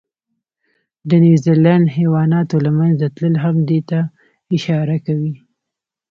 د نیوزیلند حیواناتو له منځه تلل هم دې ته اشاره کوي.